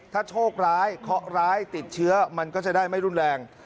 ถ้าโชคร้ายเคาะร้ายติดเชื้อมันก็จะได้ไม่รุนแรง